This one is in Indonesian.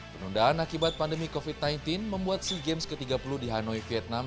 penundaan akibat pandemi covid sembilan belas membuat sea games ke tiga puluh di hanoi vietnam